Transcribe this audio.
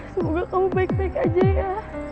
semoga kamu baik baik aja ya